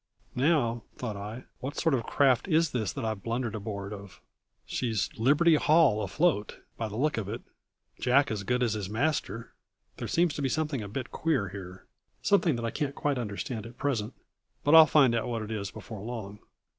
"Now," thought I, "what sort of a craft is this that I've blundered aboard of? She's Liberty Hall afloat, by the look of it Jack as good as his master! There seems to be something a bit queer here something that I can't quite understand at present, but I'll find out what it is before long.